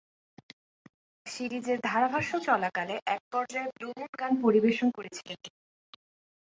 সিরিজের ধারাভাষ্য চলাকালে এক পর্যায়ে ব্লু মুন গান পরিবেশন করেছিলেন তিনি।